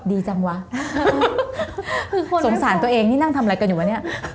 ดีจังวะสงสารตัวเองนี่นั่งทำอะไรกันอยู่วะเนี่ย